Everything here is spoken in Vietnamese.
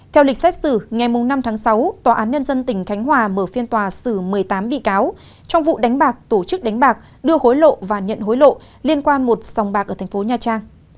theo lịch xét xử ngày năm tháng sáu tòa án nhân dân tỉnh khánh hòa mở phiên tòa xử một mươi tám bị cáo trong vụ đánh bạc tổ chức đánh bạc đưa hối lộ và nhận hối lộ liên quan một sòng bạc ở thành phố nha trang